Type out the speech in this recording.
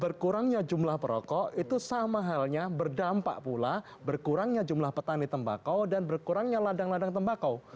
berkurangnya jumlah perokok itu sama halnya berdampak pula berkurangnya jumlah petani tembakau dan berkurangnya ladang ladang tembakau